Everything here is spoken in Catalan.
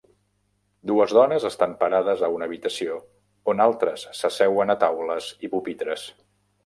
Dues dones estan parades a una habitació on altres s'asseuen a taules i pupitres.